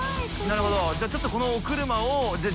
なるほどじゃあちょっとこの呂どうぞ。